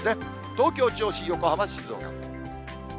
東京、銚子、横浜、静岡。